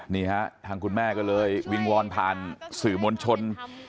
นี่ฮะทางคุณแม่ก็เลยวิงวอนผ่านสื่อมวลชน